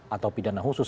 atau pidana khusus